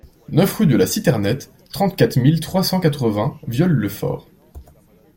neuf rue de la Citernette, trente-quatre mille trois cent quatre-vingts Viols-le-Fort